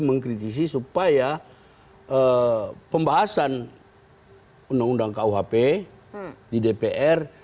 kita bisa membuat kondisi kondisi supaya pembahasan undang undang kuhp di dpr